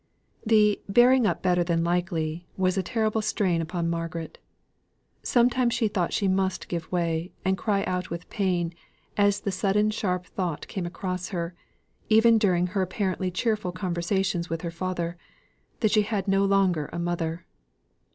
The "bearing up better than likely" was a terrible strain upon Margaret. Sometimes she thought she must give way, and cry out with pain, as the sudden sharp thought came across her, even during her apparently cheerful conversations with her father, that she had no longer a mother.